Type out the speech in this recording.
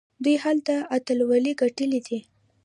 دوی هلته اتلولۍ ګټلي دي.